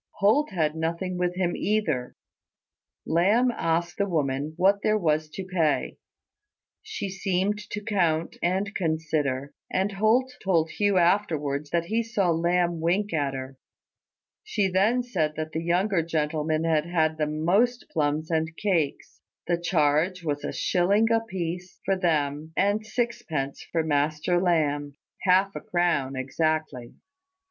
Holt had nothing with him either. Lamb asked the woman what there was to pay. She seemed to count and consider; and Holt told Hugh afterwards that he saw Lamb wink at her. She then said that the younger gentlemen had had the most plums and cakes. The charge was a shilling a piece for them, and sixpence for Master Lamb: half a crown exactly.